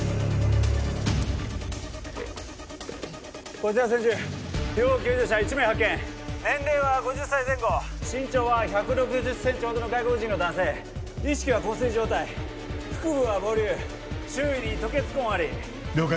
こちら千住要救助者１名発見年齢は５０歳前後身長は１６０センチほどの外国人の男性意識は昏睡状態腹部は膨隆周囲に吐血痕あり了解